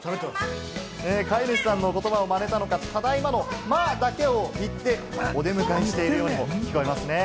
飼い主さんの言葉をまねたのか、ただいまの「ま」だけを言ってお出迎えしているようにも聞こえますね。